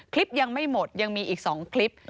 คลิปยังไม่หมดยังมีอีก๒คลิป